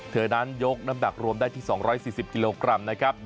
เธอนั้นยกน้ำหนักรวมได้ที่๒๔๐กิโลกรัมนะครับ